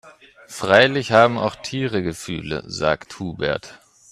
"Freilich haben auch Tiere Gefühle", sagt Hubert.